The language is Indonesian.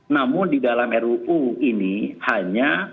namun di dalam ruu ini hanya